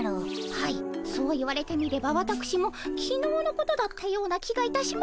はいそう言われてみればわたくしもきのうのことだったような気がいたします。